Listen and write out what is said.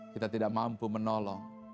kita tidak mampu menolong